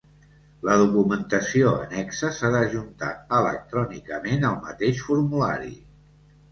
La documentació annexa s'ha d'ajuntar electrònicament al mateix formulari.